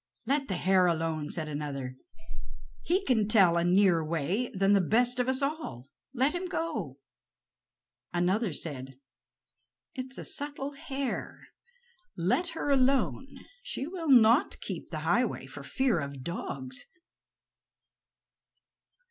"Let the hare alone," said another; "he can tell a nearer way than the best of us all. Let him go." Another said: "It is a subtle hare, let him alone; he will not keep the highway for fear of dogs."